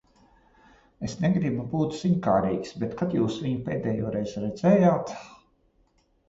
Es negribu būt ziņkārīgs, bet kad jūs viņu pēdējoreiz redzējāt?